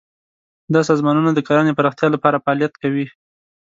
دا سازمانونه د کرنې پراختیا لپاره فعالیت کوي.